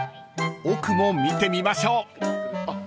［奥も見てみましょう］